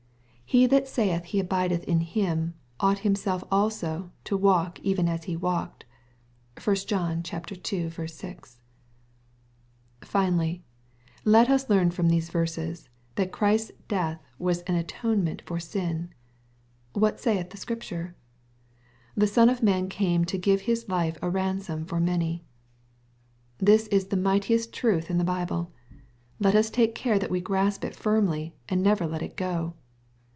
'^ He that Baith he abideth in Him ought himself also so to walk even as he walked." (1 John ii. 6.) Finally, let us learn from these verses, ^Aa^C%rt«^« death toasanatonement/orsin. WhatsaiththeScripture? "The Son of man came to give his life a ransom for many." This is the mightiest truth in the Bible. Let he take care that we grasp it firmly, and never let it go.